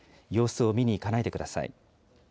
様子を見に行かないでください。